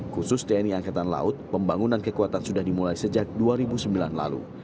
khusus tni angkatan laut pembangunan kekuatan sudah dimulai sejak dua ribu sembilan lalu